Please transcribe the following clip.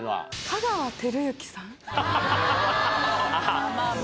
香川照之さん。